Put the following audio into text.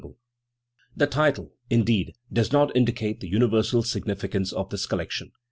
The OrgelbttMein. 285 The title, indeed, does not indicate the universal sig nificance of this collection.